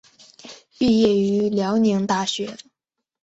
毕业于辽宁大学。